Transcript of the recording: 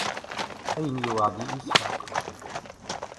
Ayen i yewɛed i Isḥaq.